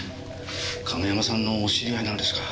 亀山さんのお知り合いなんですか？